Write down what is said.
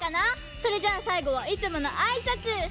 それじゃあさいごはいつものあいさつ！